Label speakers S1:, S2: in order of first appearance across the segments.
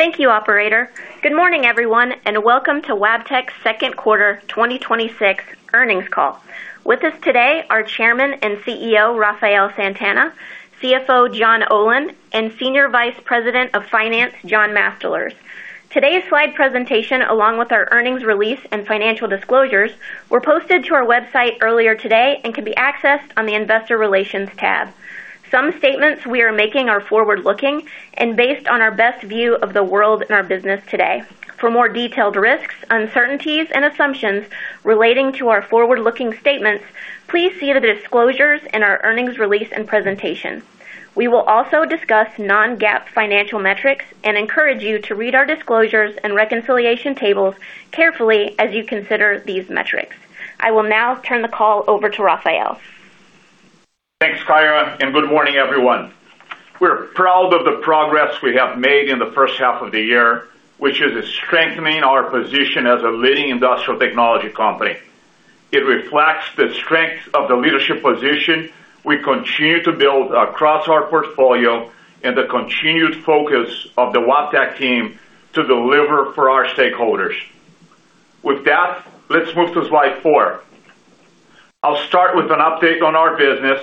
S1: Thank you, operator. Good morning, everyone, and welcome to Wabtec's Q2 2026 earnings call. With us today are Chairman and CEO Rafael Santana, CFO John Olin, and Senior Vice President of Finance, John Mastalerz. Today's slide presentation, along with our earnings release and financial disclosures, were posted to our website earlier today and can be accessed on the investor relations tab. Some statements we are making are forward-looking and based on our best view of the world and our business today. For more detailed risks, uncertainties, and assumptions relating to our forward-looking statements, please see the disclosures in our earnings release and presentation. We will also discuss non-GAAP financial metrics and encourage you to read our disclosures and reconciliation tables carefully as you consider these metrics. I will now turn the call over to Rafael.
S2: Thanks, Kyra, and good morning, everyone. We're proud of the progress we have made in the H1 of the year, which is strengthening our position as a leading industrial technology company. It reflects the strength of the leadership position we continue to build across our portfolio and the continued focus of the Wabtec team to deliver for our stakeholders. With that, let's move to slide four. I'll start with an update on our business,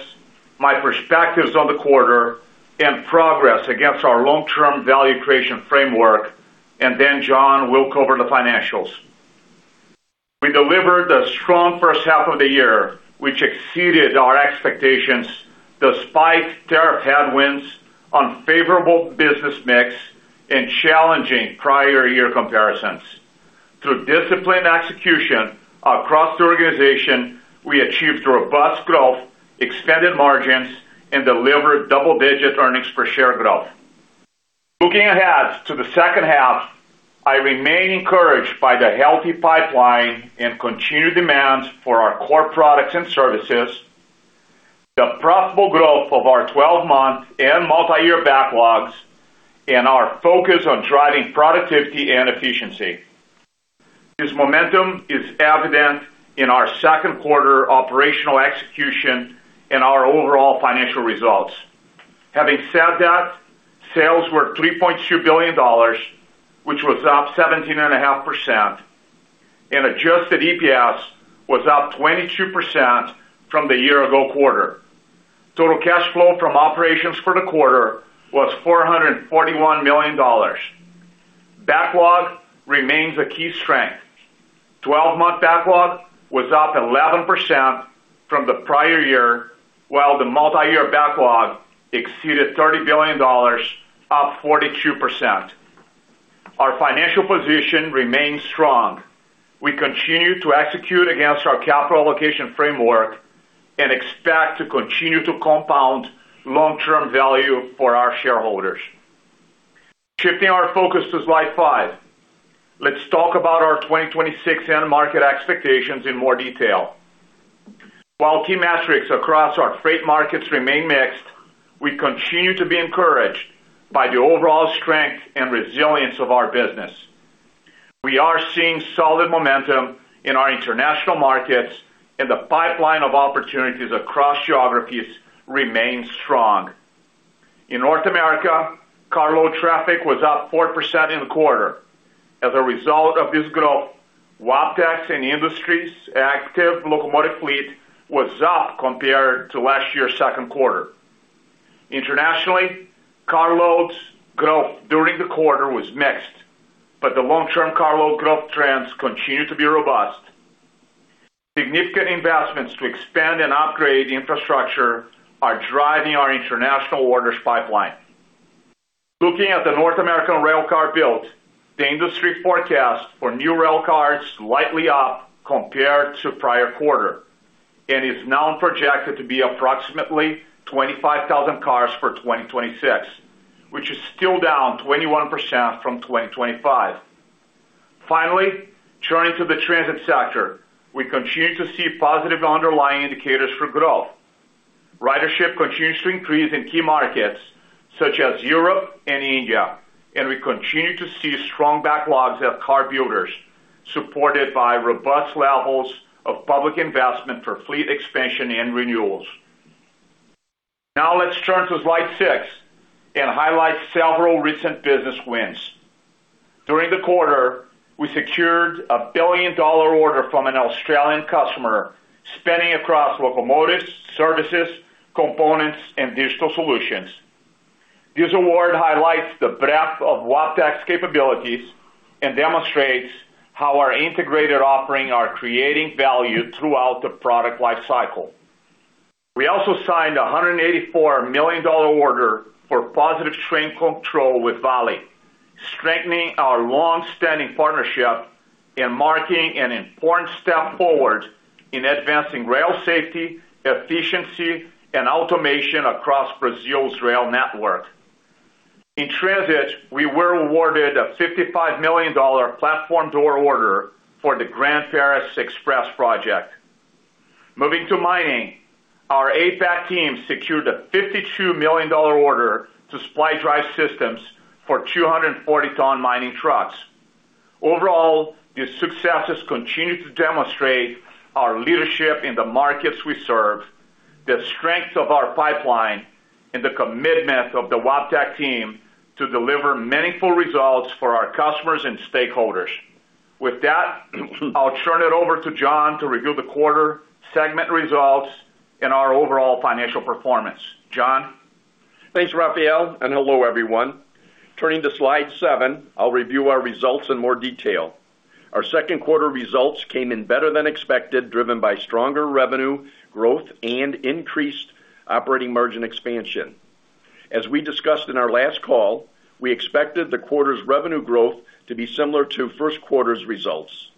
S2: my perspectives on the quarter, and progress against our long-term value creation framework. Then John will cover the financials. We delivered a strong H1 of the year, which exceeded our expectations despite tariff headwinds, unfavorable business mix, and challenging prior year comparisons. Through disciplined execution across the organization, we achieved robust growth, expanded margins, and delivered double-digit earnings per share growth. Looking ahead to the H2, I remain encouraged by the healthy pipeline, continued demands for our core products and services, the profitable growth of our 12-month and multiyear backlogs, and our focus on driving productivity and efficiency. This momentum is evident in our Q2 operational execution and our overall financial results. Having said that, sales were $3.2 billion, which was up 17.5%. Adjusted EPS was up 22% from the year ago quarter. Total cash flow from operations for the quarter was $441 million. Backlog remains a key strength. Twelve-month backlog was up 11% from the prior year, while the multiyear backlog exceeded $30 billion, up 42%. Our financial position remains strong. We continue to execute against our capital allocation framework, expect to continue to compound long-term value for our shareholders. Shifting our focus to slide five, let's talk about our 2026 end market expectations in more detail. While key metrics across our freight markets remain mixed, we continue to be encouraged by the overall strength and resilience of our business. We are seeing solid momentum in our international markets, the pipeline of opportunities across geographies remains strong. In North America, car load traffic was up 4% in the quarter. As a result of this growth, Wabtec's, the industry's active locomotive fleet was up compared to last year's Q2. Internationally, car loads growth during the quarter was mixed. The long-term car load growth trends continue to be robust. Significant investments to expand and upgrade infrastructure are driving our international orders pipeline. Looking at the North American railcar build, the industry forecast for new railcars is slightly up compared to the prior quarter and is now projected to be approximately 25,000 cars for 2026, which is still down 21% from 2025. Finally, turning to the transit sector, we continue to see positive underlying indicators for growth. Ridership continues to increase in key markets such as Europe and India, and we continue to see strong backlogs at car builders, supported by robust levels of public investment for fleet expansion and renewals. Now let's turn to slide six and highlight several recent business wins. During the quarter, we secured a billion-dollar order from an Australian customer, spending across locomotives, services, components, and digital solutions. This award highlights the breadth of Wabtec's capabilities and demonstrates how our integrated offering are creating value throughout the product lifecycle. We also signed a $184 million order for Positive Train Control with Vale, strengthening our long-standing partnership and marking an important step forward in advancing rail safety, efficiency, and automation across Brazil's rail network. In transit, we were awarded a $55 million platform door order for the Grand Paris Express project. Moving to mining, our APAC team secured a $52 million order to supply drive systems for 240 ton mining trucks. Overall, these successes continue to demonstrate our leadership in the markets we serve, the strength of our pipeline, and the commitment of the Wabtec team to deliver meaningful results for our customers and stakeholders. With that, I'll turn it over to John to review the quarter, segment results, and our overall financial performance. John?
S3: Thanks, Rafael, and hello, everyone. Turning to slide seven, I'll review our results in more detail. Our Q2 results came in better than expected, driven by stronger revenue growth and increased operating margin expansion. As we discussed in our last call, we expected the quarter's revenue growth to be similar to Q1's results.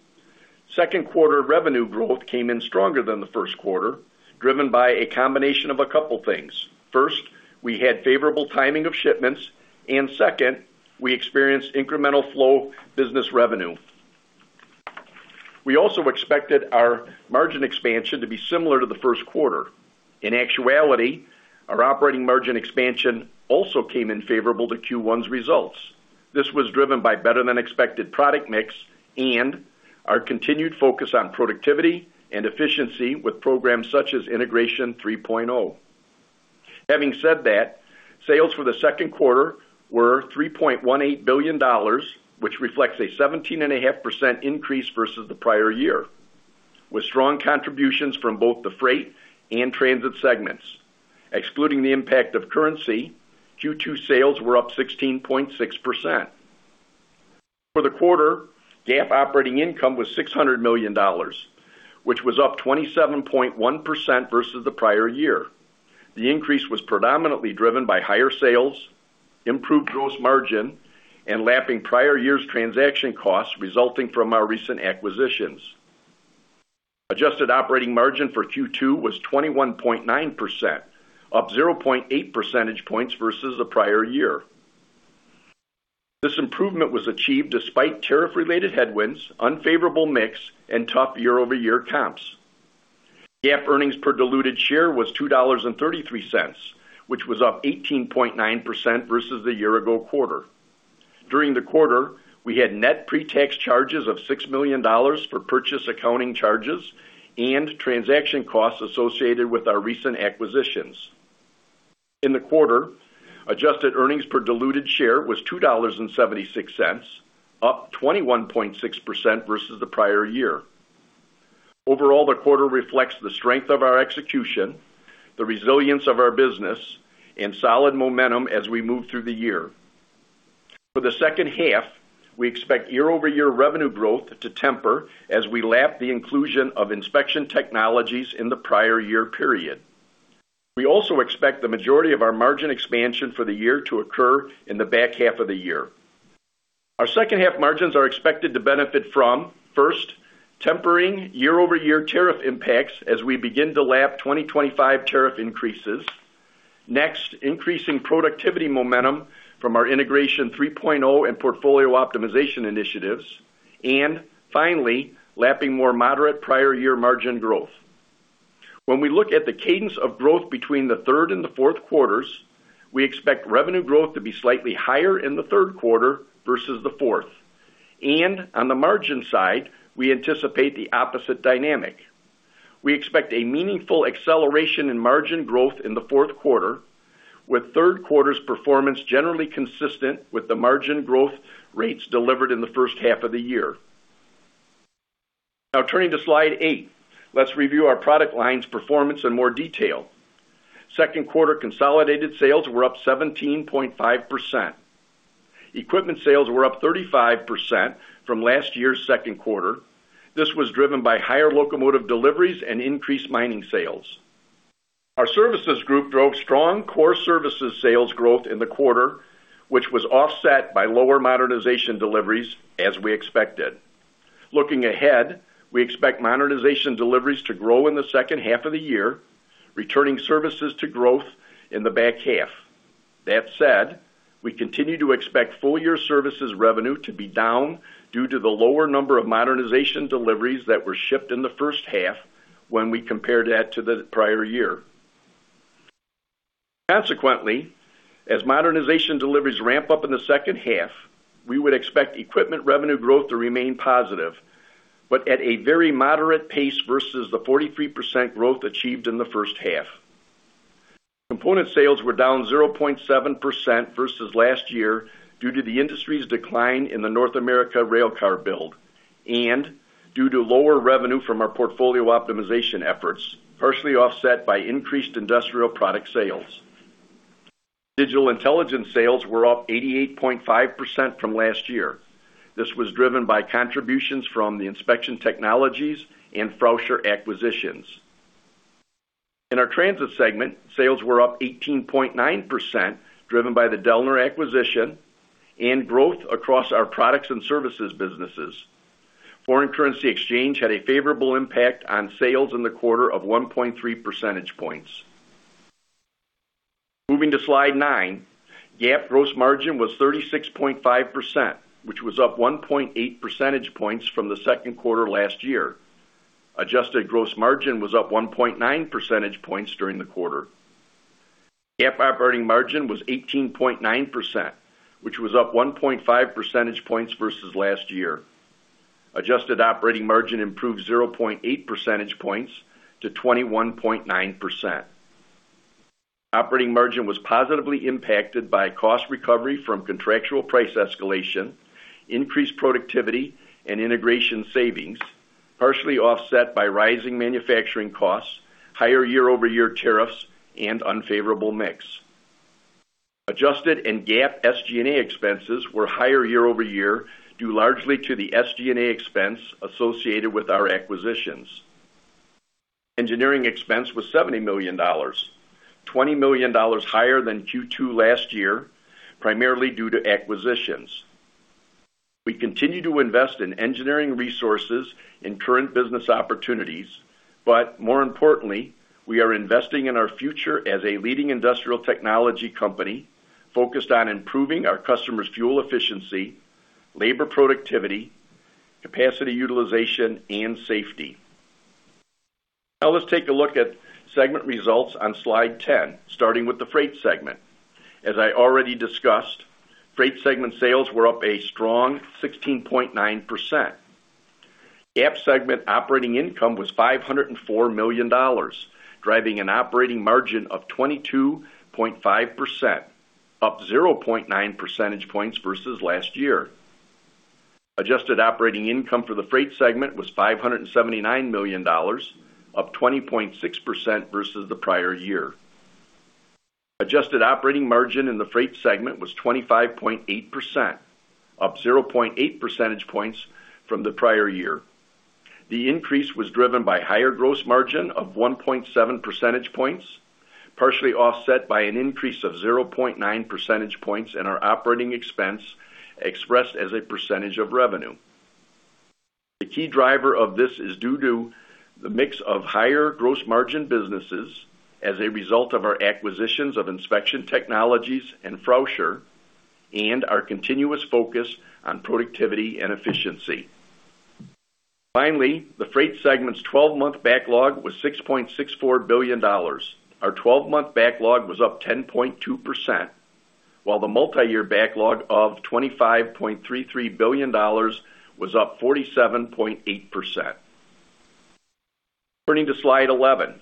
S3: Q2 revenue growth came in stronger than the Q1, driven by a combination of a couple things. First, we had favorable timing of shipments, and second, we experienced incremental flow business revenue. We also expected our margin expansion to be similar to the Q1. In actuality, our operating margin expansion also came in favorable to Q1's results. This was driven by better than expected product mix and our continued focus on productivity and efficiency with programs such as Integration 3.0. Having said that, sales for the Q2 were $3.18 billion, which reflects a 17.5% increase versus the prior year, with strong contributions from both the freight and transit segments. Excluding the impact of currency, Q2 sales were up 16.6%. For the quarter, GAAP operating income was $600 million, which was up 27.1% versus the prior year. The increase was predominantly driven by higher sales, improved gross margin, and lapping prior year's transaction costs resulting from our recent acquisitions. Adjusted operating margin for Q2 was 21.9%, up 0.8 percentage points versus the prior year. This improvement was achieved despite tariff-related headwinds, unfavorable mix, and tough year-over-year comps. GAAP earnings per diluted share was $2.33, which was up 18.9% versus the year-ago quarter. During the quarter, we had net pre-tax charges of $6 million for purchase accounting charges and transaction costs associated with our recent acquisitions. In the quarter, adjusted earnings per diluted share was $2.76, up 21.6% versus the prior year. Overall, the quarter reflects the strength of our execution, the resilience of our business, and solid momentum as we move through the year. For the H2, we expect year-over-year revenue growth to temper as we lap the inclusion of Inspection Technologies in the prior year period. We also expect the majority of our margin expansion for the year to occur in the back half of the year. Our H2 margins are expected to benefit from, first, tempering year-over-year tariff impacts as we begin to lap 2025 tariff increases. Next, increasing productivity momentum from our Integration 3.0 and portfolio optimization initiatives. Finally, lapping more moderate prior year margin growth. When we look at the cadence of growth between the third and the Q4s, we expect revenue growth to be slightly higher in the Q3 versus the fourth. On the margin side, we anticipate the opposite dynamic. We expect a meaningful acceleration in margin growth in the Q4, with Q3's performance generally consistent with the margin growth rates delivered in the H1 of the year. Now turning to slide eight, let's review our product lines performance in more detail. Q2 consolidated sales were up 17.5%. Equipment sales were up 35% from last year's Q2. This was driven by higher locomotive deliveries and increased mining sales. Our services group drove strong core services sales growth in the quarter, which was offset by lower modernization deliveries, as we expected. Looking ahead, we expect modernization deliveries to grow in the H2 of the year, returning services to growth in the back half. That said, we continue to expect full-year services revenue to be down due to the lower number of modernization deliveries that were shipped in the H1 when we compare that to the prior year. Consequently, as modernization deliveries ramp up in the H2, we would expect equipment revenue growth to remain positive, but at a very moderate pace versus the 43% growth achieved in the H1. Component sales were down 0.7% versus last year due to the industry's decline in the North America rail car build and due to lower revenue from our portfolio optimization efforts, partially offset by increased industrial product sales. Digital intelligence sales were up 88.5% from last year. This was driven by contributions from the Inspection Technologies and Frauscher acquisitions. In our transit segment, sales were up 18.9%, driven by the Dellner acquisition and growth across our products and services businesses. Foreign currency exchange had a favorable impact on sales in the quarter of 1.3 percentage points. Moving to slide nine, GAAP gross margin was 36.5%, which was up 1.8 percentage points from the Q2 last year. Adjusted gross margin was up 1.9 percentage points during the quarter. GAAP operating margin was 18.9%, which was up 1.5 percentage points versus last year. Adjusted operating margin improved 0.8 percentage points to 21.9%. Operating margin was positively impacted by cost recovery from contractual price escalation, increased productivity, and integration savings, partially offset by rising manufacturing costs, higher year-over-year tariffs, and unfavorable mix. Adjusted and GAAP SG&A expenses were higher year-over-year, due largely to the SG&A expense associated with our acquisitions. Engineering expense was $70 million, $20 million higher than Q2 last year, primarily due to acquisitions. We continue to invest in engineering resources and current business opportunities, but more importantly, we are investing in our future as a leading industrial technology company focused on improving our customers' fuel efficiency, labor productivity, capacity utilization, and safety. Let's take a look at segment results on slide 10, starting with the Freight segment. As I already discussed, Freight segment sales were up a strong 16.9%. GAAP segment operating income was $504 million, driving an operating margin of 22.5%, up 0.9 percentage points versus last year. Adjusted operating income for the Freight segment was $579 million, up 20.6% versus the prior year. Adjusted operating margin in the Freight segment was 25.8%, up 0.8 percentage points from the prior year. The increase was driven by higher gross margin of 1.7 percentage points, partially offset by an increase of 0.9 percentage points in our operating expense, expressed as a percentage of revenue. The key driver of this is due to the mix of higher gross margin businesses as a result of our acquisitions of Inspection Technologies and Frauscher, and our continuous focus on productivity and efficiency. Finally, the Freight segment's 12-month backlog was $6.64 billion. Our 12-month backlog was up 10.2%, while the multi-year backlog of $25.33 billion was up 47.8%. Turning to slide 11.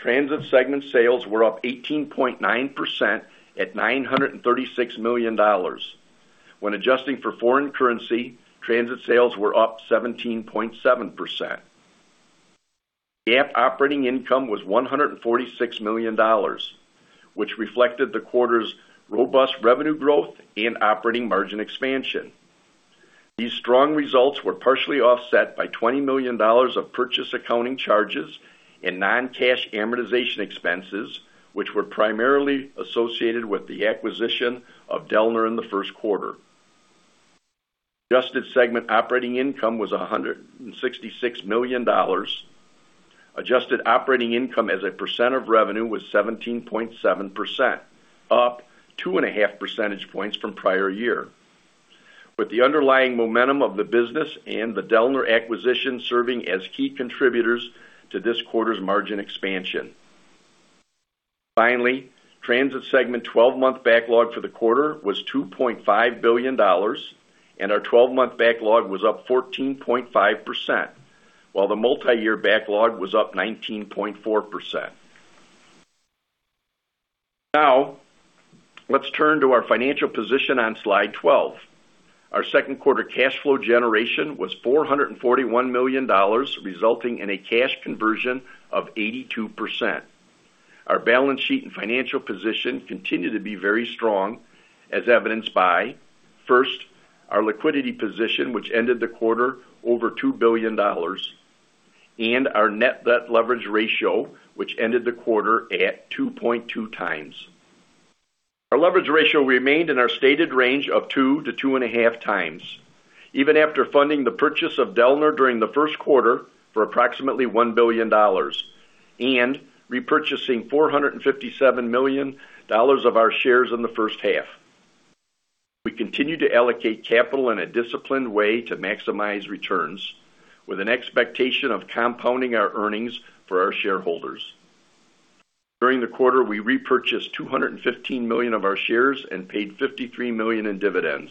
S3: Transit segment sales were up 18.9% at $936 million. When adjusting for foreign currency, transit sales were up 17.7%. GAAP operating income was $146 million, which reflected the quarter's robust revenue growth and operating margin expansion. These strong results were partially offset by $20 million of purchase accounting charges and non-cash amortization expenses, which were primarily associated with the acquisition of Dellner in the Q1. Adjusted segment operating income was $166 million. Adjusted operating income as a % of revenue was 17.7%, up 2.5 percentage points from prior year, with the underlying momentum of the business and the Dellner acquisition serving as key contributors to this quarter's margin expansion. Finally, Transit segment 12-month backlog for the quarter was $2.5 billion, and our 12-month backlog was up 14.5%, while the multi-year backlog was up 19.4%. Let's turn to our financial position on slide 12. Our Q2 cash flow generation was $441 million, resulting in a cash conversion of 82%. Our balance sheet and financial position continue to be very strong, as evidenced by, first, our liquidity position, which ended the quarter over $2 billion, and our net debt leverage ratio, which ended the quarter at 2.2x. Our leverage ratio remained in our stated range of 2-2.5x, even after funding the purchase of Dellner during the Q1 for approximately $1 billion, and repurchasing $457 million of our shares in the H1. We continue to allocate capital in a disciplined way to maximize returns with an expectation of compounding our earnings for our shareholders. During the quarter, we repurchased $215 million of our shares and paid $53 million in dividends.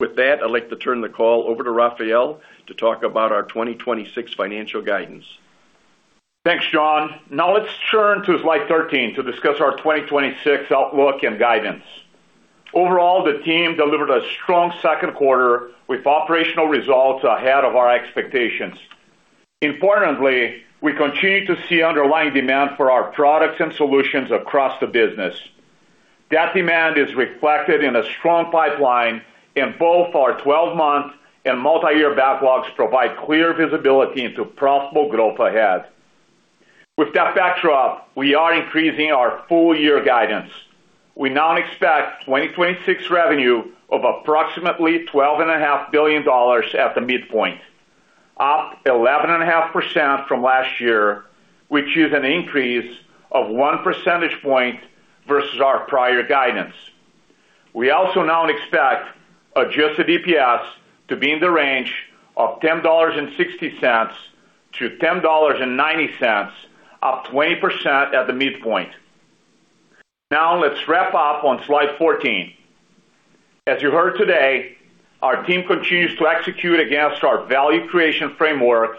S3: With that, I'd like to turn the call over to Rafael to talk about our 2026 financial guidance.
S2: Thanks, John. Now let's turn to slide 13 to discuss our 2026 outlook and guidance. Overall, the team delivered a strong Q2 with operational results ahead of our expectations. Importantly, we continue to see underlying demand for our products and solutions across the business. That demand is reflected in a strong pipeline, and both our 12-month and multi-year backlogs provide clear visibility into profitable growth ahead. With that backdrop, we are increasing our full year guidance. We now expect 2026 revenue of approximately $12.5 billion at the midpoint, up 11.5% from last year, which is an increase of one percentage point versus our prior guidance. We also now expect adjusted EPS to be in the range of $10.60 to $10.90, up 20% at the midpoint. Now let's wrap up on slide 14. As you heard today, our team continues to execute against our value creation framework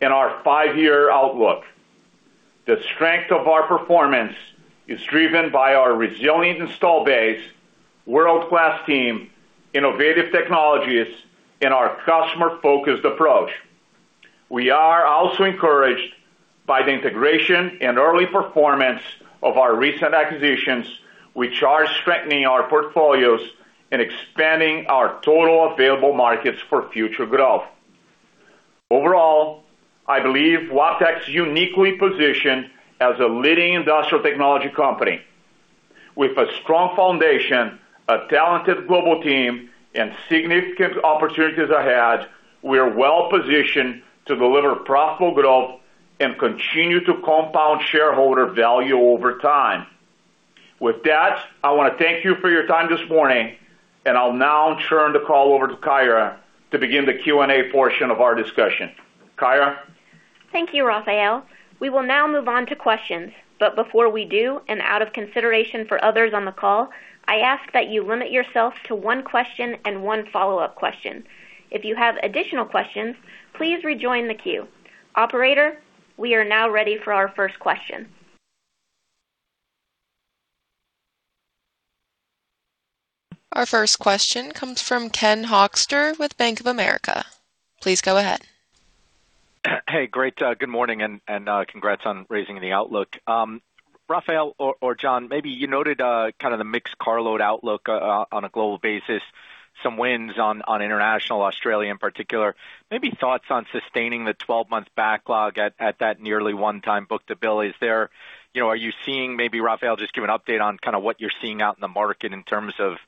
S2: and our five-year outlook. The strength of our performance is driven by our resilient install base, world-class team, innovative technologies, and our customer-focused approach. We are also encouraged by the integration and early performance of our recent acquisitions, which are strengthening our portfolios and expanding our total available markets for future growth. Overall, I believe Wabtec is uniquely positioned as a leading industrial technology company. With a strong foundation, a talented global team, and significant opportunities ahead, we are well-positioned to deliver profitable growth and continue to compound shareholder value over time. With that, I want to thank you for your time this morning, and I'll now turn the call over to Kyra to begin the Q&A portion of our discussion. Kyra?
S1: Thank you, Rafael. We will now move on to questions, but before we do, and out of consideration for others on the call, I ask that you limit yourself to one question and one follow-up question. If you have additional questions, please rejoin the queue. Operator, we are now ready for our first question.
S4: Our first question comes from Ken Hoexter with Bank of America. Please go ahead.
S5: Hey, great. Good morning, and congrats on raising the outlook. Rafael or John, maybe you noted kind of the mixed carload outlook on a global basis, some wins on international, Australia in particular, maybe thoughts on sustaining the 12-month backlog at that nearly one-time book-to-bill. Are you seeing maybe, Rafael, just give an update on kind of what you're seeing out in the market in terms of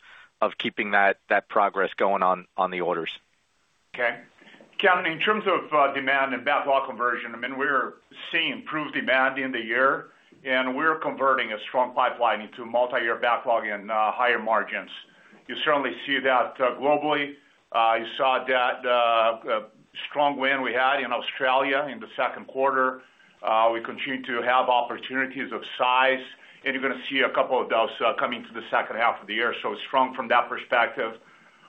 S5: keeping that progress going on the orders?
S2: Okay. Ken, in terms of demand and backlog conversion, we're seeing improved demand in the year, and we're converting a strong pipeline into multi-year backlog and higher margins. You certainly see that globally. You saw that strong win we had in Australia in the Q2. We continue to have opportunities of size, and you're going to see a couple of those coming to the H2 of the year, so strong from that perspective.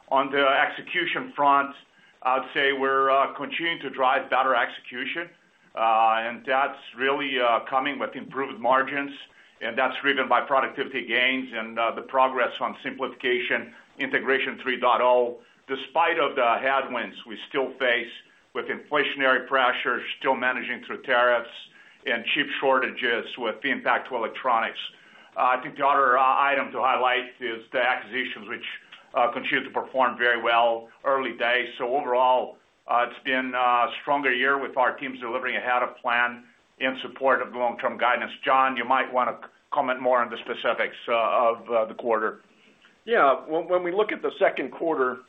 S2: On the execution front, I'd say we're continuing to drive better execution, and that's really coming with improved margins, and that's driven by productivity gains and the progress on simplification, Integration 3.0. Despite the headwinds we still face with inflationary pressures, still managing through tariffs, and chip shortages with the impact to electronics. I think the other item to highlight is the acquisitions, which continue to perform very well early days. Overall, it's been a stronger year with our teams delivering ahead of plan in support of long-term guidance. John, you might want to comment more on the specifics of the quarter.
S3: When we look at the Q2,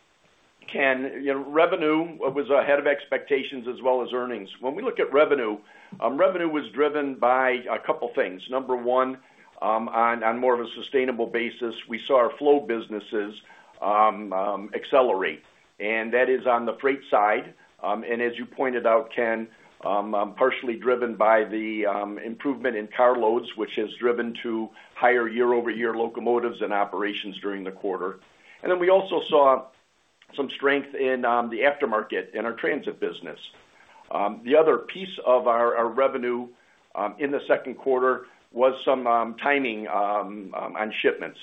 S3: Ken, revenue was ahead of expectations as well as earnings. When we look at revenue was driven by a couple things. Number one, on more of a sustainable basis, we saw our flow businesses accelerate, and that is on the freight side. As you pointed out, Ken, partially driven by the improvement in carloads, which has driven to higher year-over-year locomotives and operations during the quarter. We also saw some strength in the aftermarket in our transit business. The other piece of our revenue in the Q2 was some timing on shipments.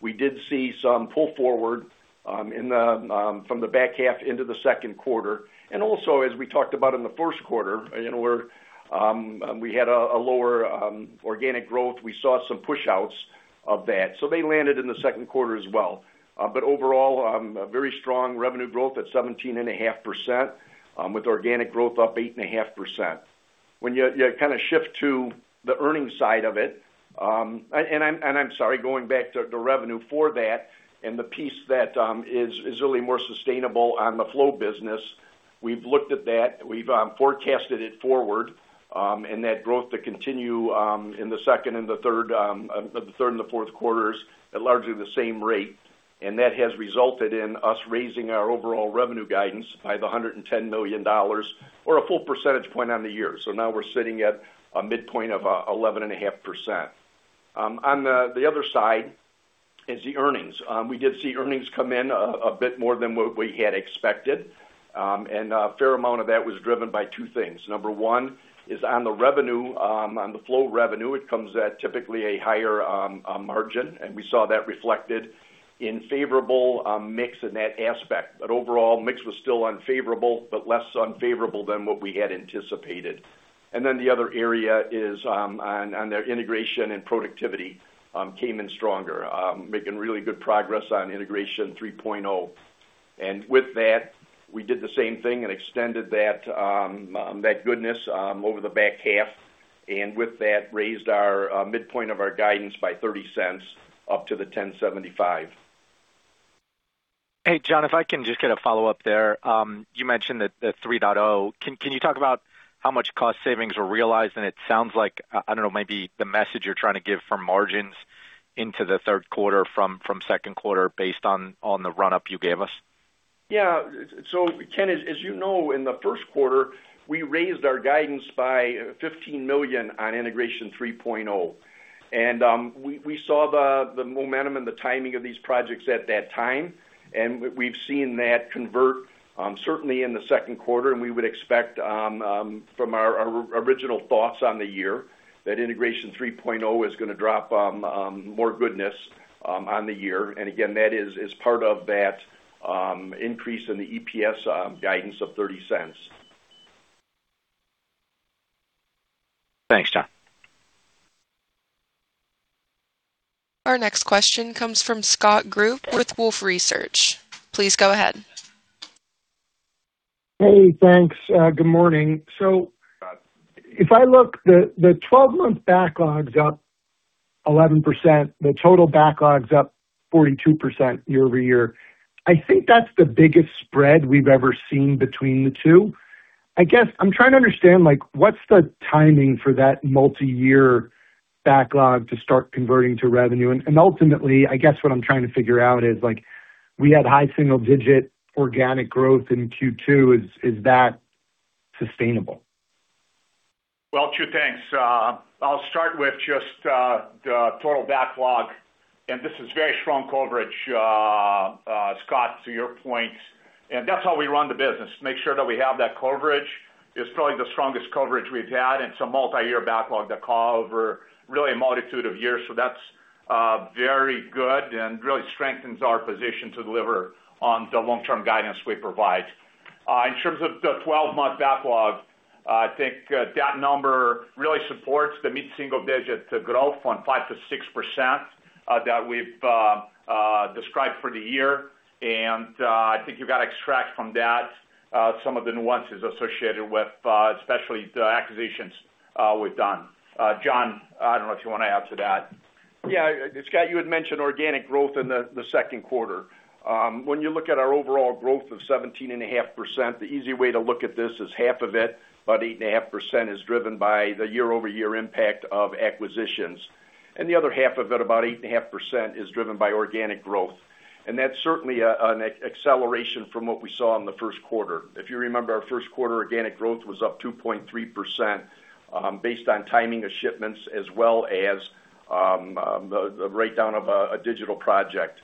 S3: We did see some pull forward from the back half into the Q2. Also, as we talked about in the Q1, we had a lower organic growth. We saw some push-outs of that. They landed in the Q2 as well. Overall, very strong revenue growth at 17.5% with organic growth up 8.5%. When you kind of shift to the earnings side of it, and I'm sorry, going back to revenue for that and the piece that is really more sustainable on the flow business, we've looked at that. We've forecasted it forward, and that growth to continue in the second and the third and the Q4s at largely the same rate. That has resulted in us raising our overall revenue guidance by $110 million or a full percentage point on the year. Now we're sitting at a midpoint of 11.5%. On the other side is the earnings. We did see earnings come in a bit more than what we had expected, and a fair amount of that was driven by two things. Number 1 is on the revenue, on the flow revenue, it comes at typically a higher margin, and we saw that reflected in favorable mix in that aspect. Overall, mix was still unfavorable, but less unfavorable than what we had anticipated. The other area is on their integration and productivity came in stronger, making really good progress on Integration 3.0. With that, we did the same thing and extended that goodness over the back half. With that, raised our midpoint of our guidance by $0.30 up to the $10.75.
S5: Hey, John, if I can just get a follow-up there. You mentioned the 3.0. Can you talk about how much cost savings were realized? It sounds like, I don't know, maybe the message you're trying to give from margins into the Q3 from Q2 based on the run-up you gave us.
S3: Yeah. Ken, as you know, in the Q1, we raised our guidance by $15 million on Integration 3.0. We saw the momentum and the timing of these projects at that time, we've seen that convert certainly in the Q2, we would expect from our original thoughts on the year that Integration 3.0 is going to drop more goodness on the year. Again, that is part of that increase in the EPS guidance of $0.30.
S5: Thanks, John.
S4: Our next question comes from Scott Group with Wolfe Research. Please go ahead.
S6: Hey, thanks. Good morning. If I look, the 12-month backlog's up 11%, the total backlog's up 42% year-over-year. I think that's the biggest spread we've ever seen between the two. I guess I'm trying to understand what's the timing for that multi-year backlog to start converting to revenue? And ultimately, I guess what I'm trying to figure out is, we had high single-digit organic growth in Q2. Is that sustainable?
S2: Well, sure, thanks. I'll start with just the total backlog. This is very strong coverage, Scott, to your point. That's how we run the business, make sure that we have that coverage. It's probably the strongest coverage we've had, and some multi-year backlog that call over really a multitude of years. That's very good and really strengthens our position to deliver on the long-term guidance we provide. In terms of the 12-month backlog, I think that number really supports the mid-single digit growth on 5%-6% that we've described for the year. I think you've got to extract from that some of the nuances associated with especially the acquisitions we've done. John, I don't know if you want to add to that.
S3: Yeah. Scott, you had mentioned organic growth in the Q2. When you look at our overall growth of 17.5%, the easy way to look at this is half of it, about 8.5%, is driven by the year-over-year impact of acquisitions. The other half of it, about 8.5%, is driven by organic growth. That's certainly an acceleration from what we saw in the Q1. If you remember, our Q1 organic growth was up 2.3% based on timing of shipments as well as the write-down of a digital project.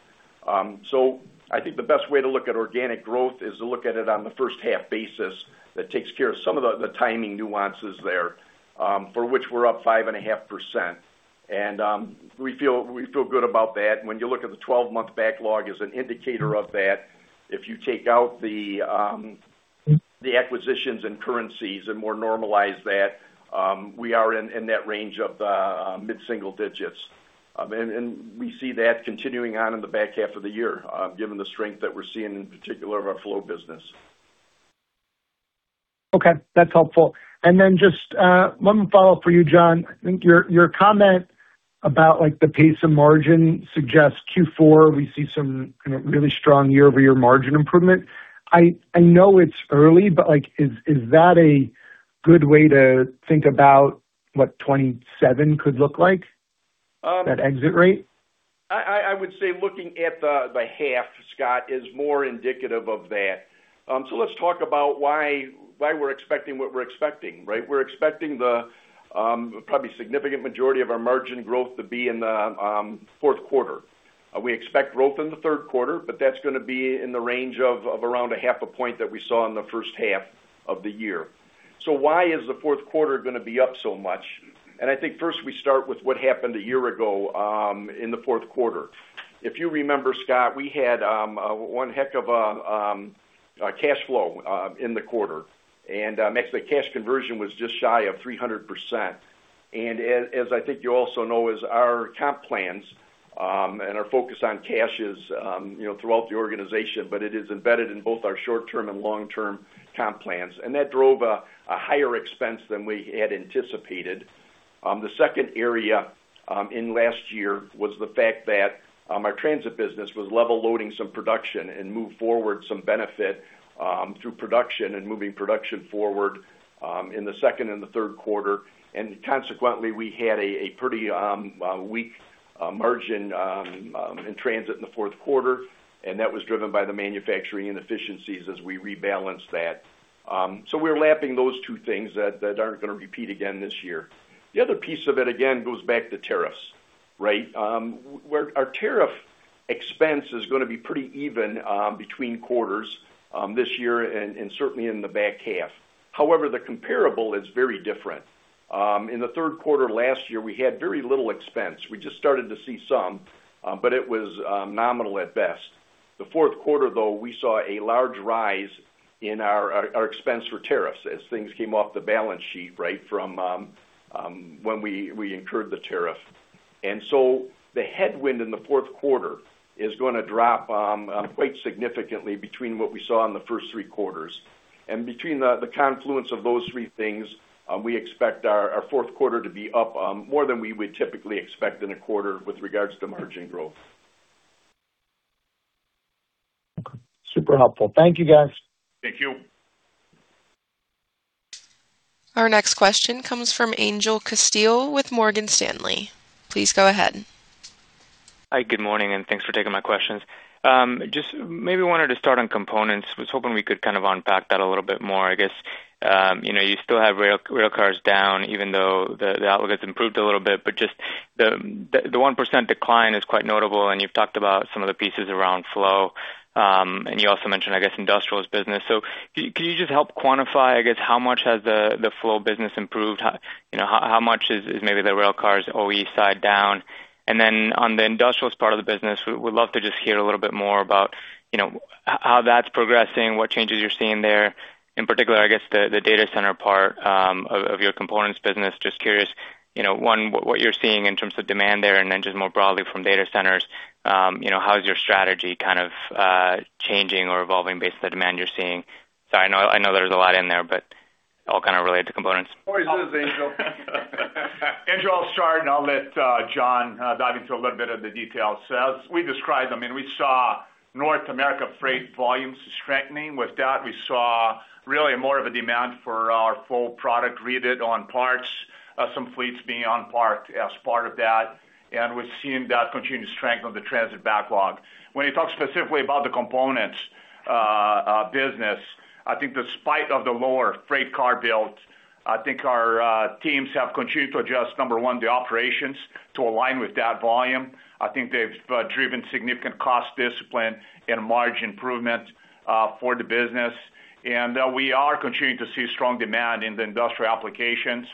S3: I think the best way to look at organic growth is to look at it on the H1 basis that takes care of some of the timing nuances there, for which we're up 5.5%. We feel good about that. When you look at the 12-month backlog as an indicator of that, if you take out the acquisitions and currencies and more normalize that, we are in that range of the mid-single digits. We see that continuing on in the back half of the year, given the strength that we're seeing in particular of our flow business.
S6: Okay, that's helpful. Just one follow-up for you, John. I think your comment about the pace of margin suggests Q4, we see some really strong year-over-year margin improvement. I know it's early, is that a good way to think about what 2027 could look like, that exit rate?
S3: I would say looking at the half, Scott, is more indicative of that. Let's talk about why we're expecting what we're expecting, right? We're expecting the probably significant majority of our margin growth to be in the Q4. We expect growth in the Q3, but that's going to be in the range of around a half a point that we saw in the H1 of the year. Why is the Q4 going to be up so much? I think first we start with what happened a year ago in the Q4. If you remember, Scott, we had one heck of a cash flow in the quarter, and actually cash conversion was just shy of 300%. As I think you also know, is our comp plans and our focus on cashes throughout the organization, it is embedded in both our short-term and long-term comp plans, that drove a higher expense than we had anticipated. The second area in last year was the fact that our transit business was level loading some production and moved forward some benefit through production and moving production forward in the second and the Q3, consequently, we had a pretty weak margin in transit in the Q4, that was driven by the manufacturing inefficiencies as we rebalanced that. We're lapping those two things that aren't going to repeat again this year. The other piece of it, again, goes back to tariffs, right? Our tariff expense is going to be pretty even between quarters this year and certainly in the back half. The comparable is very different. In the Q3 last year, we had very little expense. We just started to see some, but it was nominal at best. The Q4, though, we saw a large rise in our expense for tariffs as things came off the balance sheet right from when we incurred the tariff. The headwind in the Q4 is going to drop quite significantly between what we saw in the first three quarters. Between the confluence of those three things, we expect our Q4 to be up more than we would typically expect in a quarter with regards to margin growth.
S6: Okay. Super helpful. Thank you, guys.
S2: Thank you.
S4: Our next question comes from Angel Castillo with Morgan Stanley. Please go ahead.
S7: Hi, good morning, and thanks for taking my questions. Just maybe wanted to start on components. Was hoping we could kind of unpack that a little bit more. I guess, you still have rail cars down, even though the outlook has improved a little bit, but just the 1% decline is quite notable, and you've talked about some of the pieces around flow. You also mentioned, I guess, industrials business. Can you just help quantify, I guess, how much has the flow business improved? How much is maybe the rail cars OE side down? On the industrials part of the business, we'd love to just hear a little bit more about how that's progressing, what changes you're seeing there. In particular, I guess, the data center part of your components business. Just curious, one, what you're seeing in terms of demand there, and then just more broadly from data centers, how is your strategy kind of changing or evolving based on the demand you're seeing? I know there's a lot in there, but all kind of related to components.
S2: Always is, Angel. Angel, I'll start. I'll let John dive into a little bit of the details. As we described, I mean, we saw North America freight volumes strengthening. With that, we saw really more of a demand for our full product rebid on parts, some fleets being unparked as part of that. We've seen that continued strength of the transit backlog. When you talk specifically about the components business, I think despite of the lower freight car build, I think our teams have continued to adjust, number 1, the operations to align with that volume. I think they've driven significant cost discipline and margin improvement for the business. We are continuing to see strong demand in the industrial applications.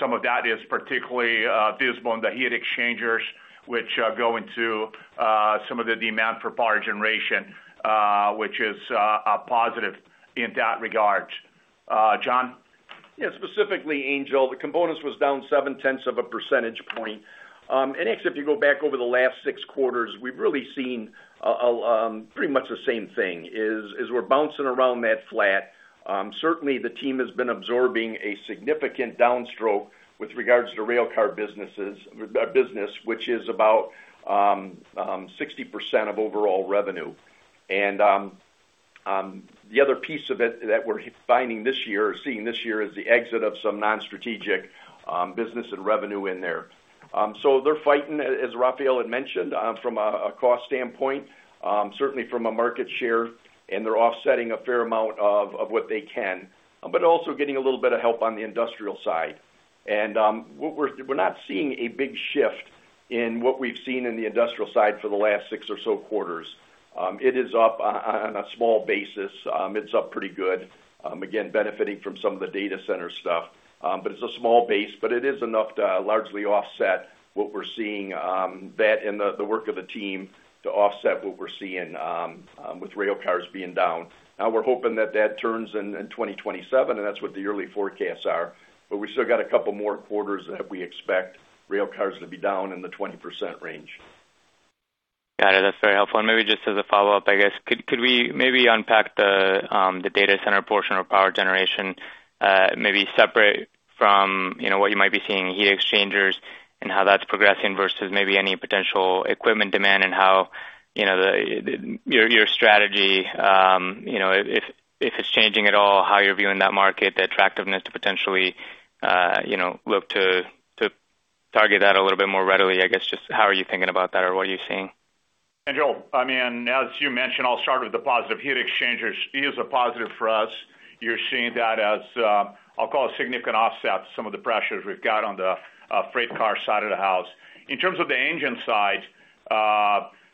S2: Some of that is particularly visible in the heat exchangers, which go into some of the demand for power generation, which is a positive in that regard. John?
S3: Yeah, specifically, Angel, the components was down seven-tenths of a percentage point. Actually, if you go back over the last six quarters, we've really seen pretty much the same thing, is we're bouncing around that flat. Certainly, the team has been absorbing a significant downstroke with regards to rail car business, which is about 60% of overall revenue. The other piece of it that we're finding this year or seeing this year is the exit of some non-strategic business and revenue in there. They're fighting, as Rafael had mentioned, from a cost standpoint, certainly from a market share, and they're offsetting a fair amount of what they can, but also getting a little bit of help on the industrial side. We're not seeing a big shift in what we've seen in the industrial side for the last six or so quarters. It is up on a small basis. It's up pretty good. Again, benefiting from some of the data center stuff. It's a small base, but it is enough to largely offset what we're seeing that in the work of the team to offset what we're seeing with rail cars being down. Now we're hoping that that turns in 2027, and that's what the early forecasts are. We still got a couple more quarters that we expect rail cars to be down in the 20% range.
S7: Got it. That's very helpful. Maybe just as a follow-up, I guess, could we maybe unpack the data center portion of power generation, maybe separate from what you might be seeing in heat exchangers and how that's progressing versus maybe any potential equipment demand and how your strategy, if it's changing at all, how you're viewing that market, the attractiveness to potentially look to target that a little bit more readily, I guess, just how are you thinking about that or what are you seeing?
S2: Angel, as you mentioned, I'll start with the positive. Heat exchangers is a positive for us. You're seeing that as, I mean, a significant offset to some of the pressures we've got on the freight car side of the house. In terms of the engine side,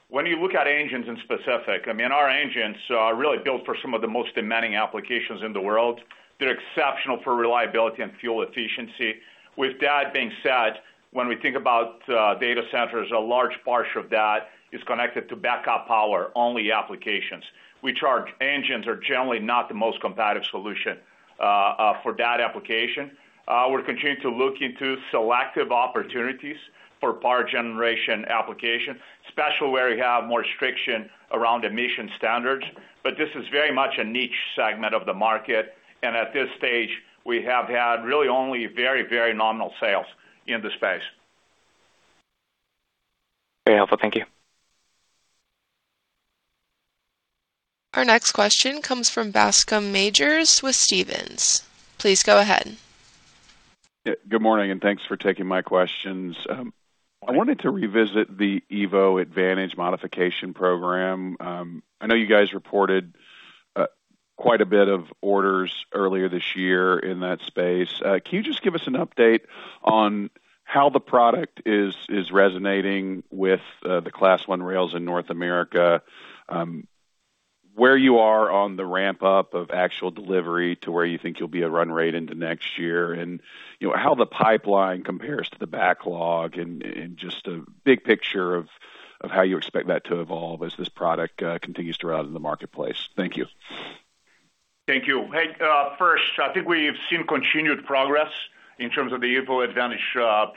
S2: when you look at engines in specific, I mean, our engines are really built for some of the most demanding applications in the world. They're exceptional for reliability and fuel efficiency. With that being said, when we think about data centers, a large portion of that is connected to backup power-only applications, which our engines are generally not the most competitive solution for that application. We're continuing to look into selective opportunities for power generation application, especially where we have more restriction around emission standards. This is very much a niche segment of the market, and at this stage, we have had really only very, very nominal sales in the space.
S7: Very helpful. Thank you.
S4: Our next question comes from Bascome Majors with Stephens. Please go ahead.
S8: Good morning, and thanks for taking my questions. I wanted to revisit the EVO Advantage modernization program. I know you guys reported quite a bit of orders earlier this year in that space. Can you just give us an update on how the product is resonating with the Class I railroads in North America, where you are on the ramp-up of actual delivery to where you think you'll be a run rate into next year, and how the pipeline compares to the backlog, and just a big picture of how you expect that to evolve as this product continues to root in the marketplace. Thank you.
S2: Thank you. First, I think we've seen continued progress in terms of the EVO Advantage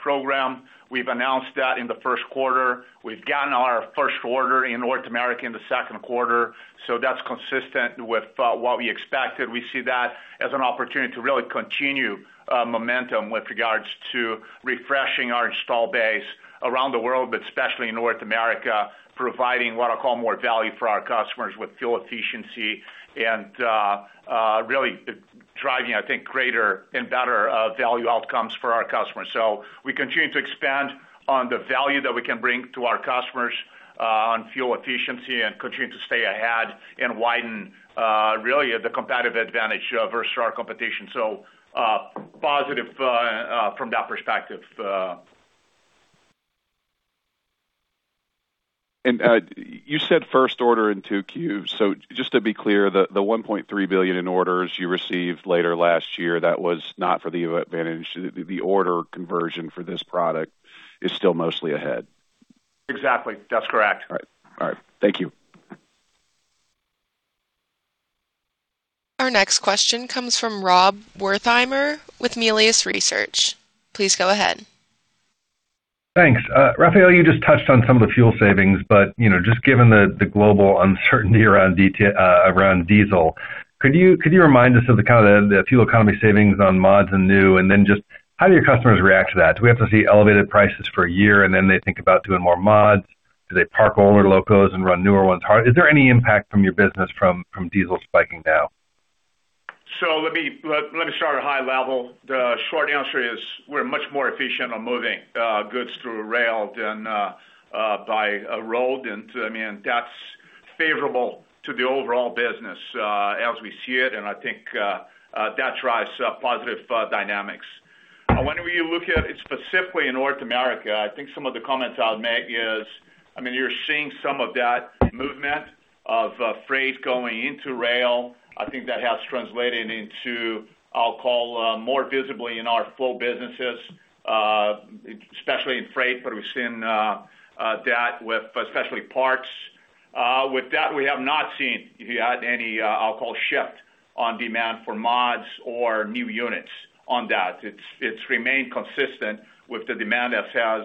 S2: program, we've announced that in the Q1. We've gotten our first order in North America in the Q2, so that's consistent with what we expected. We see that as an opportunity to really continue momentum with regards to refreshing our install base around the world, but especially in North America, providing what I call more value for our customers with fuel efficiency, and really driving, I think, greater and better value outcomes for our customers. We continue to expand on the value that we can bring to our customers on fuel efficiency, and continue to stay ahead and widen really the competitive advantage versus our competition. Positive from that perspective.
S8: You said first order in 2Q. Just to be clear, the $1.3 billion in orders you received later last year, that was not for the EVO Advantage. The order conversion for this product is still mostly ahead.
S2: Exactly. That's correct.
S8: All right. Thank you.
S4: Our next question comes from Rob Wertheimer with Melius Research. Please go ahead.
S9: Thanks. Rafael, you just touched on some of the fuel savings. Just given the global uncertainty around diesel, could you remind us of the fuel economy savings on mods and new? Then just how do your customers react to that? Do we have to see elevated prices for a year, and then they think about doing more mods? Do they park older locos and run newer ones? Is there any impact from your business from diesel spiking now?
S2: Let me start at high level. The short answer is we're much more efficient on moving goods through rail than by road. That's favorable to the overall business as we see it, and I think that drives positive dynamics. When we look at it specifically in North America, I think some of the comments I'll make is, you're seeing some of that movement of freight going into rail. I think that has translated into, I'll call, more visibly in our flow businesses, especially in freight, but we've seen that with especially parts. With that, we have not seen yet any, I'll call, shift on demand for mods or new units on that. It's remained consistent with the demand as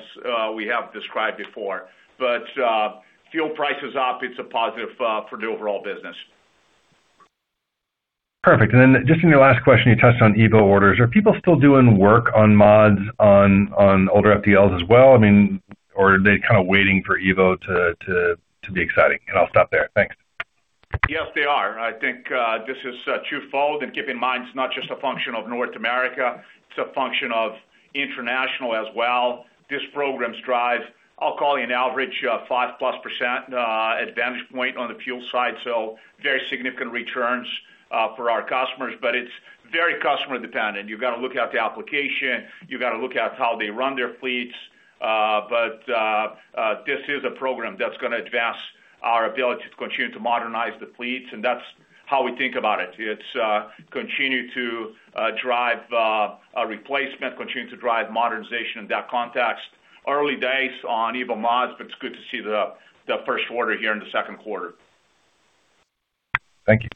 S2: we have described before. Fuel prices up, it's a positive for the overall business.
S9: Perfect. Then just in your last question, you touched on EVO orders. Are people still doing work on mods on older FDLs as well? Or are they kind of waiting for EVO to be exciting? I'll stop there. Thanks.
S2: Yes, they are. I think this is twofold, keep in mind, it's not just a function of North America, it's a function of international as well. These programs drive, I'll call it, an average 5+% advantage point on the fuel side, so very significant returns for our customers. It's very customer dependent. You've got to look at the application. You've got to look at how they run their fleets. This is a program that's going to advance our ability to continue to modernize the fleets, and that's how we think about it. It's continue to drive replacement, continue to drive modernization in that context. Early days on EVO mods, but it's good to see the first order here in the Q2.
S9: Thank you.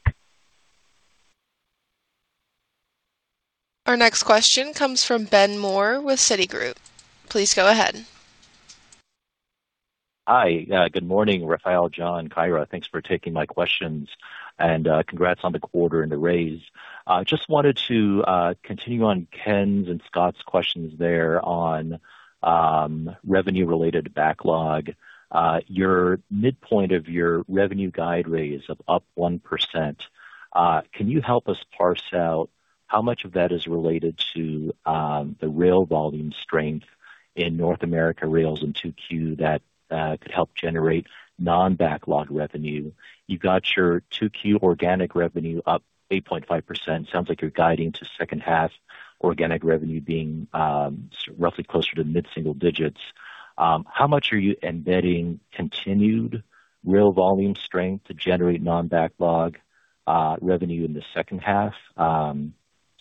S4: Our next question comes from Ben Mohr with Citigroup. Please go ahead.
S10: Hi. Good morning, Rafael, John, Kyra. Thanks for taking my questions. Congrats on the quarter and the raise. Just wanted to continue on Ken's and Scott's questions there on revenue-related backlog. Your midpoint of your revenue guide raise of up 1%, can you help us parse out how much of that is related to the rail volume strength in North America rails in 2Q that could help generate non-backlog revenue? You got your 2Q organic revenue up 8.5%. Sounds like you're guiding to H2 organic revenue being roughly closer to mid-single digits. How much are you embedding continued rail volume strength to generate non-backlog revenue in the H2?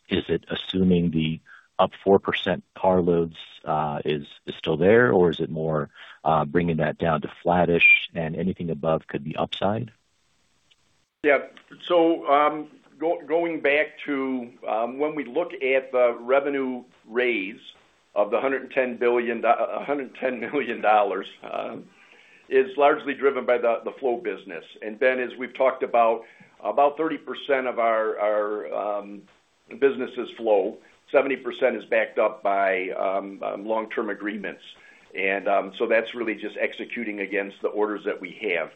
S10: Is it assuming the up 4% carloads is still there, or is it more bringing that down to flattish and anything above could be upside?
S3: Going back to when we look at the revenue raise of the $110 million is largely driven by the flow business. Ben, as we've talked about 30% of our business is flow, 70% is backed up by long-term agreements. That's really just executing against the orders that we have.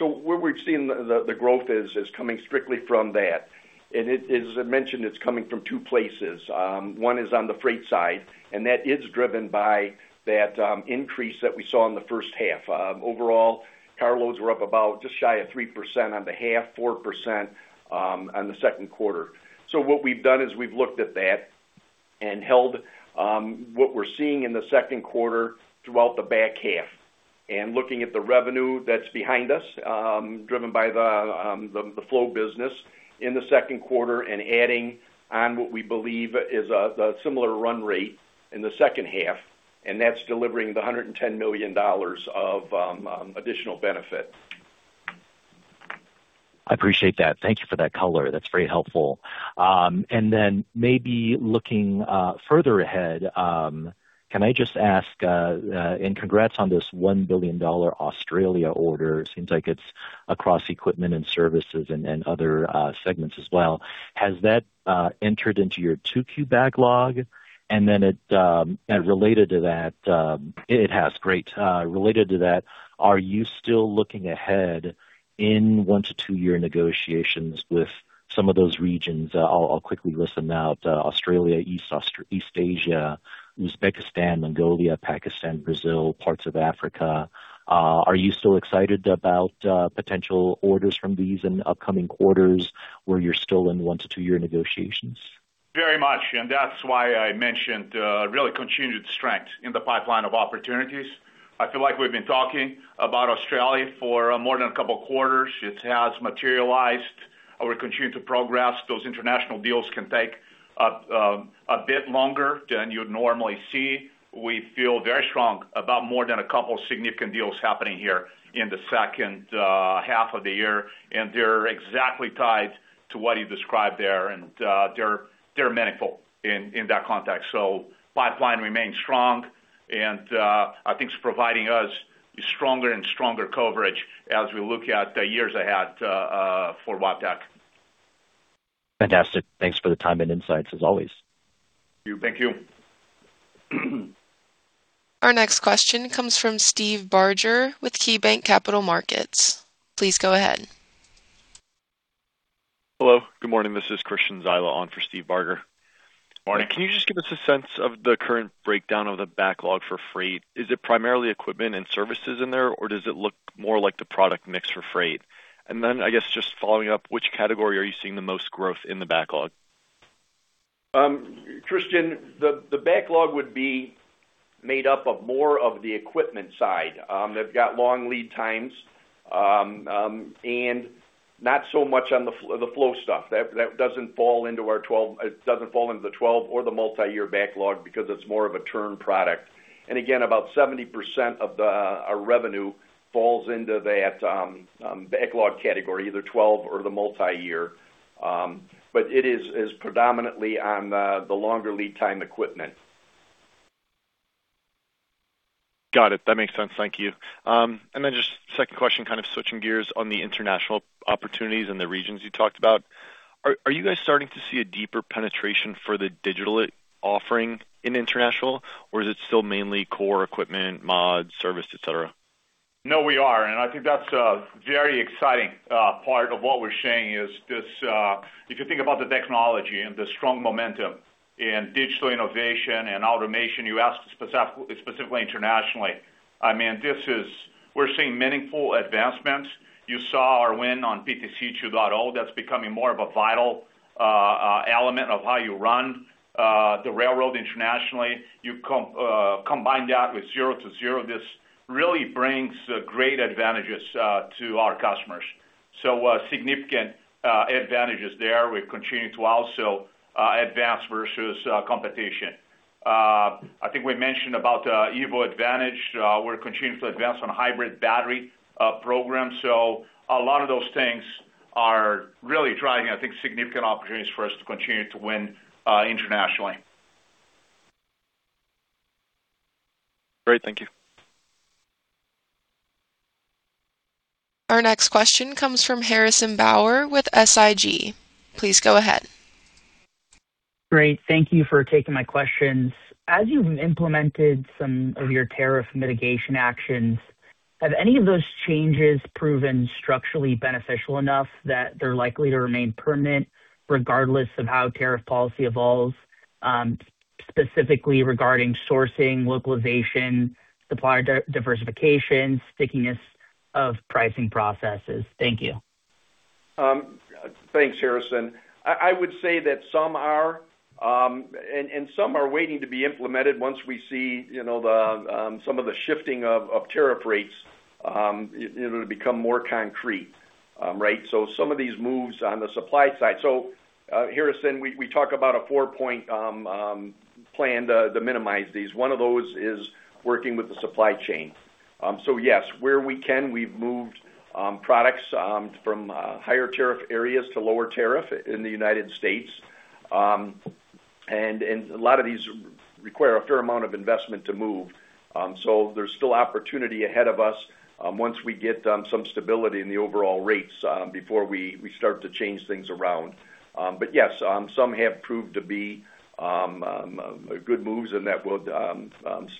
S3: Where we've seen the growth is coming strictly from that. As I mentioned, it's coming from two places. One is on the freight side. That is driven by that increase that we saw in the H1. Overall, carloads were up about just shy of 3% on the half, 4% on the Q2. What we've done is we've looked at that and held what we're seeing in the Q2 throughout the back half. Looking at the revenue that's behind us, driven by the flow business in the Q2 and adding on what we believe is a similar run rate in the H2, that's delivering the $110 million of additional benefit.
S10: I appreciate that. Thank you for that color. That's very helpful. Maybe looking further ahead, can I just and congrats on this $1 billion Australia order. Seems like it's across equipment and services and other segments as well. Has that entered into your 2Q backlog? Related to that- It has. Great. Related to that, are you still looking ahead in 1-2 year negotiations with some of those regions? I'll quickly list them out. Australia, East Asia, Uzbekistan, Mongolia, Pakistan, Brazil, parts of Africa. Are you still excited about potential orders from these in upcoming quarters where you're still in one to two year negotiations?
S2: Very much, that's why I mentioned really continued strength in the pipeline of opportunities. I feel like we've been talking about Australia for more than a couple of quarters. It has materialized. We're continuing to progress. Those international deals can take a bit longer than you'd normally see. We feel very strong about more than a couple of significant deals happening here in the H2 of the year. They're exactly tied to what you described there. They're meaningful in that context. Pipeline remains strong. I think it's providing us stronger and stronger coverage as we look at the years ahead for Wabtec.
S10: Fantastic. Thanks for the time and insights, as always.
S2: Thank you.
S4: Our next question comes from Steve Barger with KeyBanc Capital Markets. Please go ahead.
S11: Hello. Good morning. This is Christian Zyla on for Steve Barger.
S2: Morning.
S11: Can you just give us a sense of the current breakdown of the backlog for freight? Is it primarily equipment and services in there, or does it look more like the product mix for freight? Then, I guess, just following up, which category are you seeing the most growth in the backlog?
S3: Christian, the backlog would be made up of more of the equipment side. They've got long lead times, not so much on the flow stuff. That doesn't fall into the 12 or the multi-year backlog because it's more of a turn product. Again, about 70% of our revenue falls into that backlog category, either 12 or the multi-year. It is predominantly on the longer lead time equipment.
S11: Got it. That makes sense. Thank you. Then just second question, kind of switching gears on the international opportunities and the regions you talked about. Are you guys starting to see a deeper penetration for the digital offering in international, or is it still mainly core equipment, mods, service, et cetera?
S2: No, we are, and I think that's a very exciting part of what we're seeing is this, if you think about the technology and the strong momentum in digital innovation and automation, you asked specifically internationally. I mean, we're seeing meaningful advancements. You saw our win on PTC 2.0. That's becoming more of a vital element of how you run the railroad internationally. You combine that with Zero-To-Zero, this really brings great advantages to our customers. Significant advantages there. We're continuing to also advance versus competition. I think we mentioned about EVO Advantage. We're continuing to advance on hybrid battery programs. A lot of those things are really driving, I think, significant opportunities for us to continue to win internationally.
S11: Great. Thank you.
S4: Our next question comes from Harrison Bauer with SIG. Please go ahead.
S12: Great. Thank you for taking my questions. As you've implemented some of your tariff mitigation actions, have any of those changes proven structurally beneficial enough that they're likely to remain permanent regardless of how tariff policy evolves? Specifically regarding sourcing, localization, supplier diversification, stickiness of pricing processes. Thank you.
S2: Thanks, Harrison. I would say that some are, and some are waiting to be implemented once we see some of the shifting of tariff rates it'll become more concrete. Some of these moves on the supply side. Harrison, we talk about a four-point plan to minimize these. One of those is working with the supply chain. Yes, where we can, we've moved products from higher tariff areas to lower tariff in the U.S. A lot of these require a fair amount of investment to move. There's still opportunity ahead of us once we get some stability in the overall rates before we start to change things around. Yes, some have proved to be good moves, and that will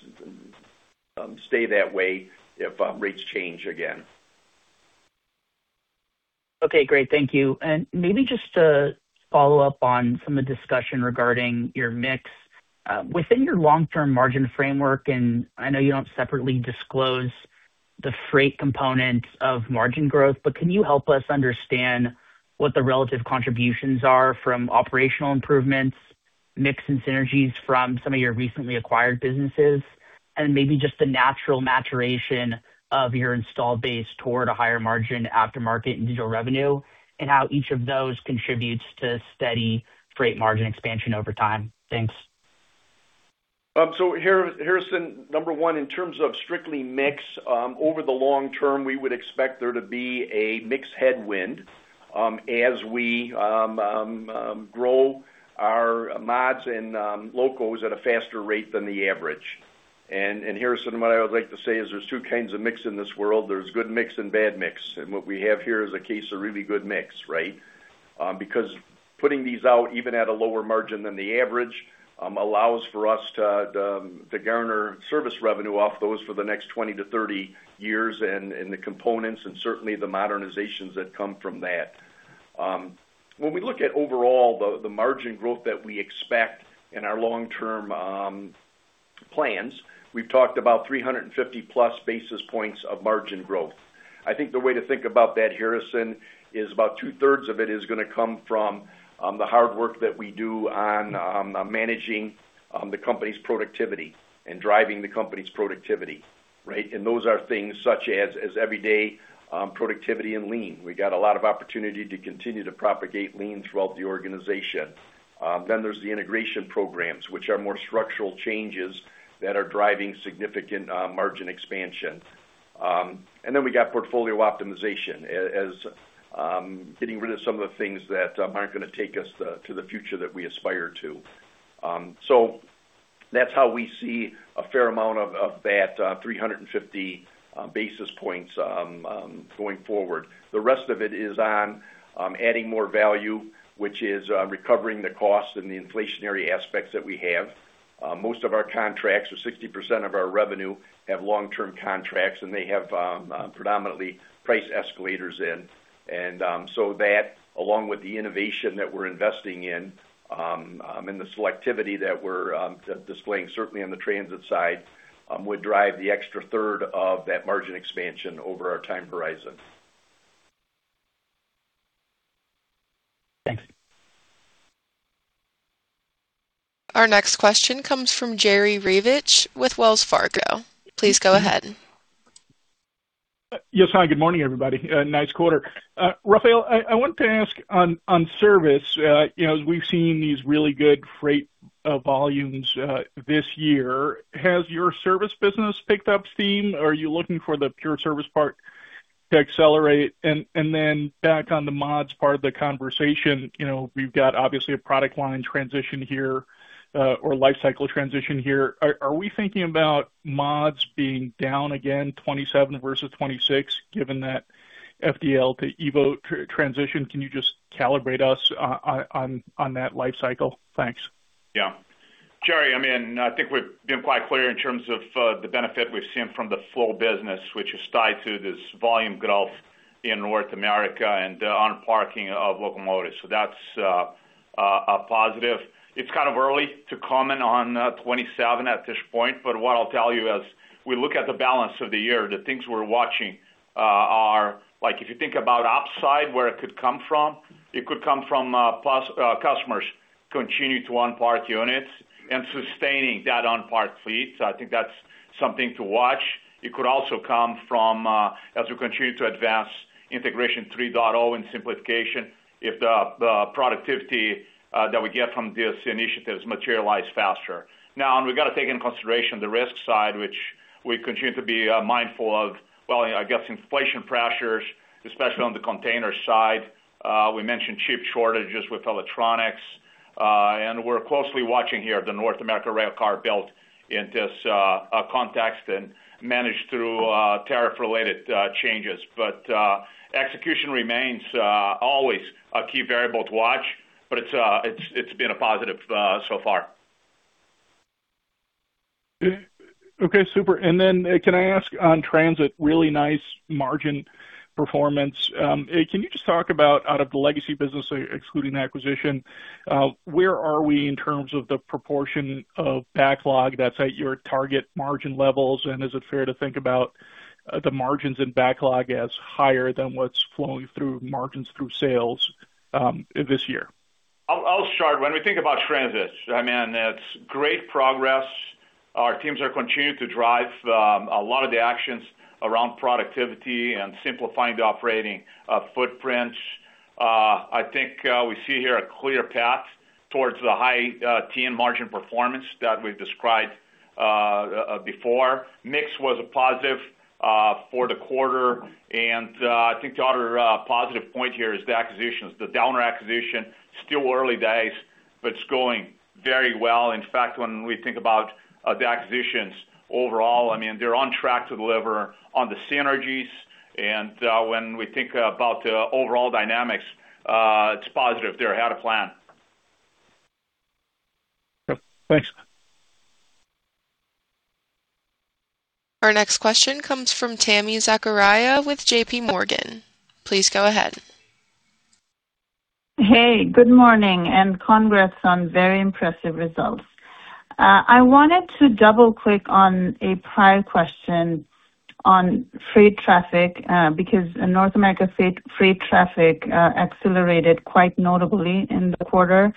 S2: stay that way if rates change again.
S12: Okay, great. Thank you. Maybe just to follow up on some of the discussion regarding your mix. Within your long-term margin framework, I know you don't separately disclose the freight component of margin growth, but can you help us understand what the relative contributions are from operational improvements, mix, and synergies from some of your recently acquired businesses? Maybe just the natural maturation of your install base toward a higher margin aftermarket and digital revenue, and how each of those contributes to steady freight margin expansion over time. Thanks.
S3: Harrison, number one, in terms of strictly mix, over the long term, we would expect there to be a mix headwind as we grow our mods and locals at a faster rate than the average. Harrison, what I would like to say is there's two kinds of mix in this world. There's good mix and bad mix. What we have here is a case of really good mix, right? Because putting these out, even at a lower margin than the average, allows for us to garner service revenue off those for the next 20 to 30 years, and the components, and certainly the modernizations that come from that. When we look at overall the margin growth that we expect in our long-term plans, we've talked about 350+ basis points of margin growth. I think the way to think about that, Harrison, is about two-thirds of it is going to come from the hard work that we do on managing the company's productivity and driving the company's productivity, right? Those are things such as everyday productivity and lean. We got a lot of opportunity to continue to propagate lean throughout the organization. There's the integration programs, which are more structural changes that are driving significant margin expansion. We got portfolio optimization, as getting rid of some of the things that aren't going to take us to the future that we aspire to. That's how we see a fair amount of that 350 basis points going forward. The rest of it is on adding more value, which is recovering the cost and the inflationary aspects that we have. Most of our contracts, or 60% of our revenue, have long-term contracts, and they have predominantly price escalators in. That, along with the innovation that we're investing in, and the selectivity that we're displaying, certainly on the transit side, would drive the extra third of that margin expansion over our time horizon.
S12: Thanks.
S4: Our next question comes from Jerry Revich with Wells Fargo. Please go ahead.
S13: Yes. Hi, good morning, everybody. Nice quarter. Rafael, I wanted to ask on service, as we've seen these really good freight volumes this year, has your service business picked up steam? Are you looking for the pure service part to accelerate? Back on the mods part of the conversation, we've got obviously a product line transition here, or lifecycle transition here. Are we thinking about mods being down again 2027 versus 2026, given that FDL to EVO transition? Can you just calibrate us on that lifecycle? Thanks.
S2: Yeah. Jerry, I think we've been quite clear in terms of the benefit we've seen from the flow business, which is tied to this volume growth in North America and on parking of locomotives. That's a positive. It's kind of early to comment on 2027 at this point, but what I'll tell you, as we look at the balance of the year, the things we're watching are, if you think about upside, where it could come from, it could come from customers continuing to unpark units and sustaining that unparked fleet. I think that's something to watch. It could also come from as we continue to advance Integration 3.0 and simplification, if the productivity that we get from these initiatives materialize faster. We got to take into consideration the risk side, which we continue to be mindful of, well, I guess inflation pressures, especially on the container side. We mentioned chip shortages with electronics. We're closely watching here the North America railcar build in this context and manage through tariff-related changes. Execution remains always a key variable to watch, but it's been a positive so far.
S13: Okay, super. Can I ask on transit, really nice margin performance. Can you just talk about out of the legacy business, excluding the acquisition, where are we in terms of the proportion of backlog that's at your target margin levels? Is it fair to think about the margins in backlog as higher than what's flowing through margins through sales this year?
S2: I'll start. When we think about transit, it's great progress. Our teams are continuing to drive a lot of the actions around productivity and simplifying the operating footprints. I think we see here a clear path towards the high-teen margin performance that we've described before. Mix was a positive for the quarter, and I think the other positive point here is the acquisitions. The Dellner acquisition, still early days, but it's going very well. In fact, when we think about the acquisitions overall, they're on track to deliver on the synergies. When we think about overall dynamics, it's positive. They're ahead of plan.
S13: Yep. Thanks.
S4: Our next question comes from Tami Zakaria with JPMorgan. Please go ahead.
S14: Hey, good morning, congrats on very impressive results. I wanted to double-click on a prior question on freight traffic, North America freight traffic accelerated quite notably in the quarter.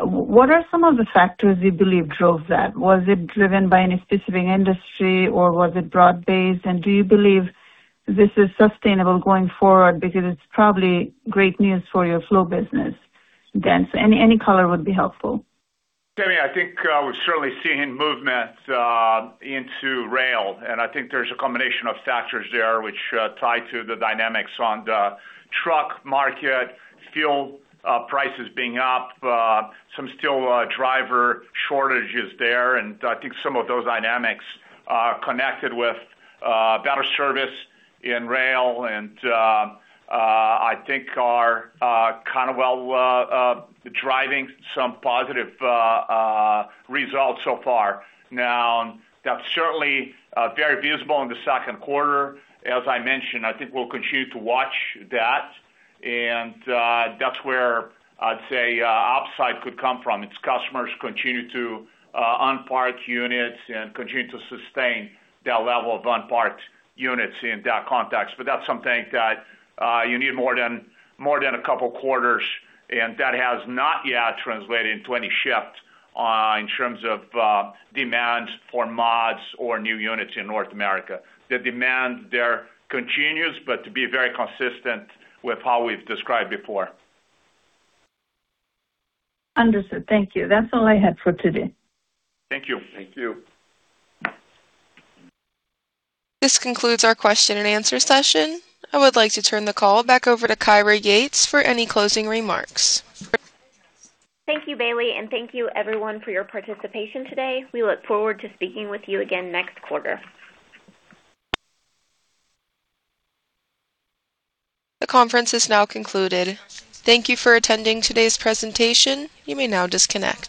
S14: What are some of the factors you believe drove that? Was it driven by any specific industry, or was it broad-based? Do you believe this is sustainable going forward? It's probably great news for your flow business then. Any color would be helpful.
S2: Tami, I think we're certainly seeing movement into rail, I think there's a combination of factors there which tie to the dynamics on the truck market, fuel prices being up, some still driver shortages there, I think some of those dynamics are connected with better service in rail and I think are kind of well, driving some positive results so far. That's certainly very visible in the Q2. As I mentioned, I think we'll continue to watch that. That's where I'd say upside could come from. It's customers continue to unpark units and continue to sustain that level of unparked units in that context. That's something that you need more than a couple of quarters, and that has not yet translated into any shift in terms of demand for mods or new units in North America. The demand there continues, to be very consistent with how we've described before.
S14: Understood. Thank you. That's all I had for today.
S2: Thank you.
S3: Thank you.
S4: This concludes our question and answer session. I would like to turn the call back over to Kyra Yates for any closing remarks.
S1: Thank you, Bailey, and thank you everyone for your participation today. We look forward to speaking with you again next quarter.
S4: The conference is now concluded. Thank you for attending today's presentation. You may now disconnect.